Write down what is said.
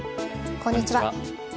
こんにちは。